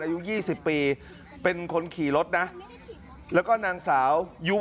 อายุ๒๐ปีเป็นคนขี่รถนะแล้วก็นางสาวยุ